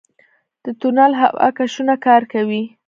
د تونل هوا کشونه کار کوي؟